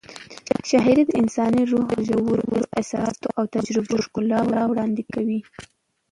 شاعري د انساني روح د ژورو احساساتو او تجربو ښکلا وړاندې کوي.